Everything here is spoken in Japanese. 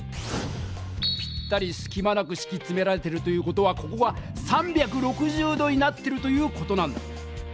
ぴったりすきまなくしきつめられてるという事はここが３６０度になってるという事なんだ。